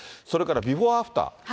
それからビフォーアフター。